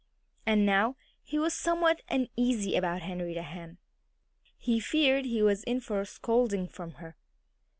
And now he was somewhat uneasy about Henrietta Hen. He feared he was in for a scolding from her.